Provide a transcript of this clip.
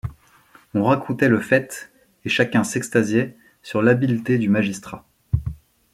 On racontait le fait, et chacun s’extasiait sur l’habileté du magistrat.